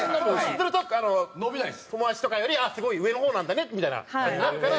すると友達とかより「ああすごい上の方なんだね」みたいな感じになるから。